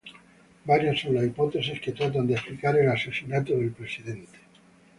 Varias son las hipótesis que tratan de explicar el asesinato del presidente.